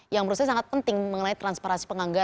yang menurut saya sangat penting mengenai transparansi penganggaran